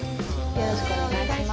よろしくお願いします。